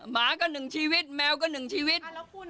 หมาก็หนึ่งชีวิตแมวก็หนึ่งชีวิต